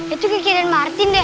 itu kayak kirain martin deh